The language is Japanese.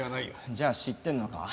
じゃあ知ってんのか？